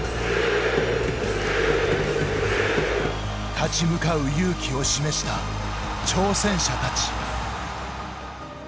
立ち向かう勇気を示した挑戦者たち。